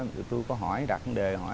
tụi tôi có hỏi đặt vấn đề